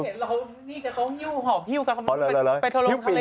นี่แต่เขาหิ้วห่อหิ้วไปทะลงทะเล